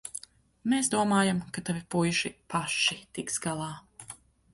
Mēs domājām, ka tavi puiši paši tiks galā.